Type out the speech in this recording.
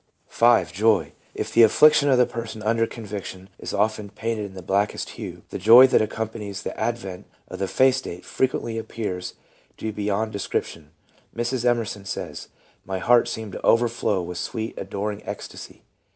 ..." 5. Joy. If the affliction of the person under "conviction" is often painted in the blackest hue, the joy that accompanies the advent of the faith state frequently appears to be beyond description. Mrs. Emerson says, "... my heart seemed to overflow with sweet, adoring ecstasy."